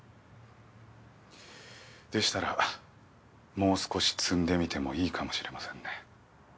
でしたらもう少し積んでみてもいいかもしれませんね。